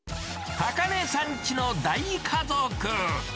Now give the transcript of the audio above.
高根さんチの大家族。